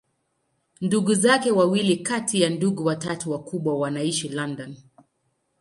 Ndugu zake wawili kati ya ndugu watatu wakubwa wanaishi London.